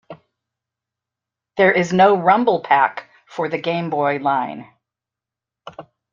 There is no Rumble Pak for the Game Boy line.